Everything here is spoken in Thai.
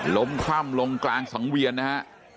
คล่ำลงกลางสังเวียนนะฮะ